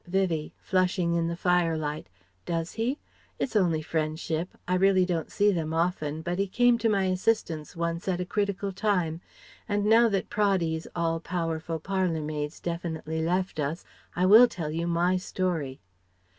Vivie (flushing in the firelight): "Does he? It's only friendship. I really don't see them often but he came to my assistance once at a critical time. And now that Praddy's all powerful parlour maid's definitely left us, I will tell you my story."